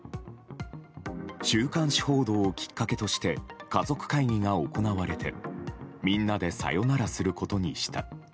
週刊誌報道をきっかけとして家族会議が行われてみんなでさよならすることにした。